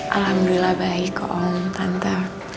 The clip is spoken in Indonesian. alhamdulillah baik om tante